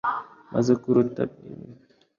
maze urukuta rw'umugi ruhita rurindimuka ako kanya